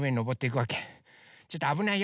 ちょっとあぶないよ。